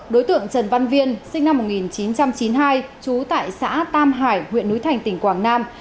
đối tượng trần văn viên sinh năm một nghìn chín trăm chín mươi hai trú tại xã tam hải huyện núi thành tỉnh quảng nam